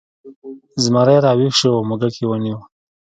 زمری راویښ شو او موږک یې ونیو.